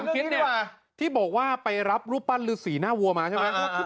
สมคิดว่าไปรับรูปปั้นหรือสีหน้าวัวมาใช่ไหม